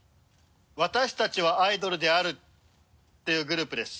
「私たちはアイドルである！」ていうグループです。